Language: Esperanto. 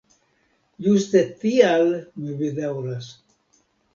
Ĝuste tial mi bedaŭras.